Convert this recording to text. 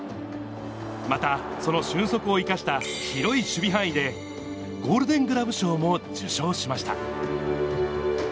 またその俊足を生かした広い守備範囲で、ゴールデングラブ賞も受賞しました。